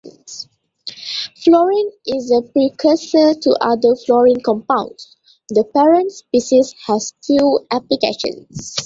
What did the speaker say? Fluorene is a precursor to other fluorene compounds; the parent species has few applications.